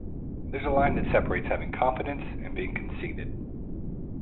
There's a line that separates having confidence and being conceited.